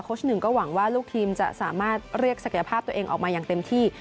ชหนึ่งก็หวังว่าลูกทีมจะสามารถเรียกศักยภาพตัวเองออกมาอย่างเต็มที่